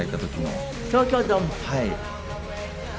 はい。